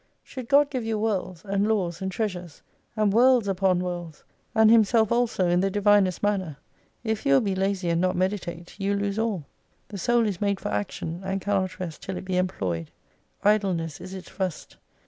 Should God give you worlds, and laws, and treasures, and worlds upon worlds, and Himself also in the Divinest manner, if you will be lazy and not meditate, you lose ail. The soul is made for action, and cannot rest till it be employed. Idleness is its rust.